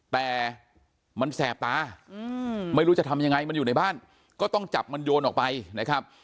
แต่มันแสบตาไม่รู้จะทำยังไงมันอยู่ในบ้านก็ต้องจับมันโยนออกไปนะครับ